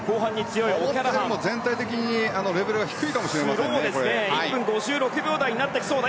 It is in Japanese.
全体的にレベルが低いかもしれません。